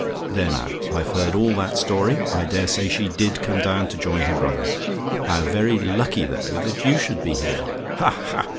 "There, now; I've heard all that story. I daresay she did come down to join her brother. How very lucky, though, that you should be here! Ha! ha!